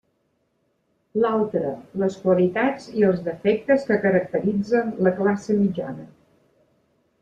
L'altre, les qualitats i els defectes que caracteritzen la classe mitjana.